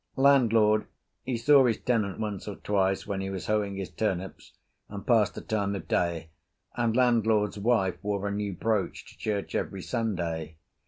Landlord, he saw his tenant once or twice when he was hoeing his turnips and passed the time of day, and landlord's wife wore her new brooch to church every Sunday.